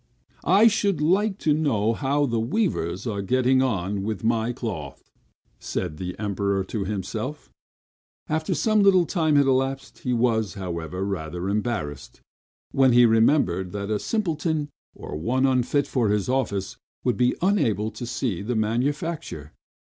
"I should like to know how the weavers are getting on with my cloth," said the Emperor to himself, after some little time had elapsed; he was, however, rather embarrassed, when he remembered that a simpleton, or one unfit for his office, would be unable to see the manufacture.